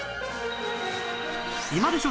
今でしょ！